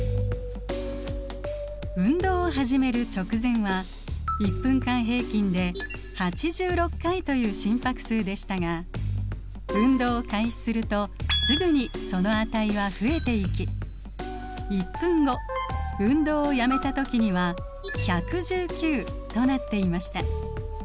運動を始める直前は１分間平均で８６回という心拍数でしたが運動を開始するとすぐにその値は増えていき１分後運動をやめたときには１１９となっていました。